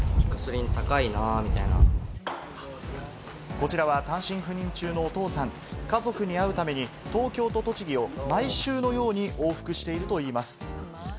こちらは単身赴任中のお父さん、家族に会うために東京と栃木を毎週のように往復しているといいます。